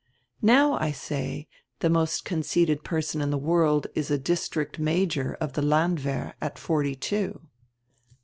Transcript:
"Now I say, the most conceited person in the world is a district major of the landwehr at forty two."